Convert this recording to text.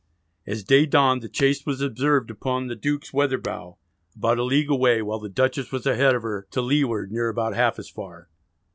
As day dawned the chase was observed upon the Duke's weather bow, about a league away, while the Dutchess was ahead of her "to leeward near about half as far."